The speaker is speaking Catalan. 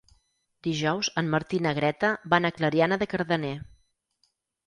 Dijous en Martí i na Greta van a Clariana de Cardener.